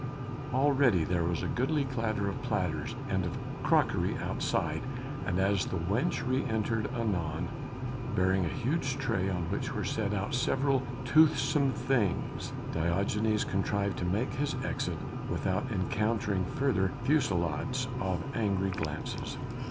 Already there was a goodly clatter of platters, and of crockery outside, and as the wench re entered anon bearing a huge tray on which were set out several toothsome things, Diogenes contrived to make his exit without encountering further fusillades of angry glances.